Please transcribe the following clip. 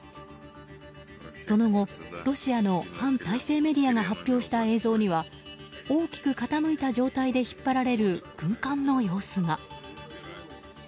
その後、ロシアの反体制メディアが発表した映像には大きく傾いた状態で引っ張られる軍艦の様子が。